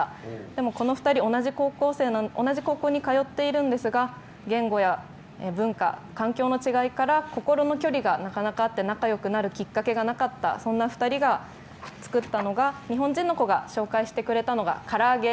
でも、この２人同じ高校に通っているんですが言語や文化、環境の違いから心の距離がなかなかあって仲よくなるきっかけがなかったそんな２人が作ったのが日本人の子が紹介してくれたのが、からあげ。